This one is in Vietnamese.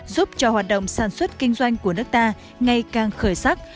giúp cho hoạt động sản xuất kinh doanh của nước ta ngày càng khởi sắc